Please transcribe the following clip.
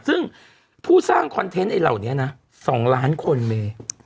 ซึ่งผู้สร้างคอนเทนต์เหล่านี้นะ๒ล้านคนเม